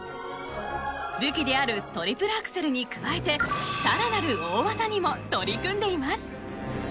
武器であるトリプルアクセルに加えて更なる大技にも取り組んでいます。